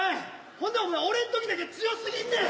ほんで俺んときだけ強すぎんねん！